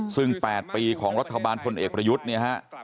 ซึ่ง๘ปีของรัฐบาลพลเอกประยุทธ์เนี่ยฮะ